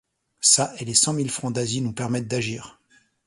Ça et les cent mille francs d’Asie nous permettent d’agir.